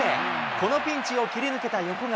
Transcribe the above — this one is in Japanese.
このピンチを切り抜けた横川。